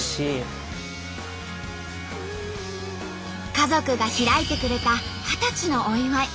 家族が開いてくれた二十歳のお祝い。